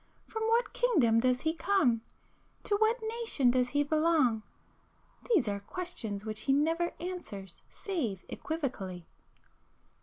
From what kingdom does he come?—to what nation does he belong? These are questions which he never answers save equivocally.